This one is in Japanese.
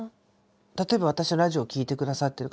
例えば私のラジオを聴いてくださってる方